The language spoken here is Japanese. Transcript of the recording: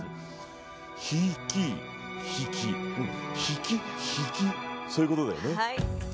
悲喜、引き、ひきひきそういうことだね。